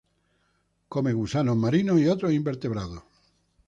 Come gusanos marinos y otros invertebrados.